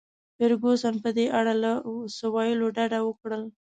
فرګوسن په دې اړه له څه ویلو ډډه وکړل.